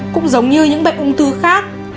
cũng giống như những bệnh ung thư khác